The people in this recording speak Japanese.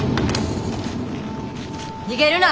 逃げるな！